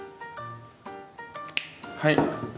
はい。